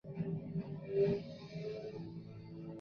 细身准舌唇鱼为辐鳍鱼纲鲤形目鲤科准舌唇鱼属的鱼类。